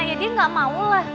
ya dia gak mau lah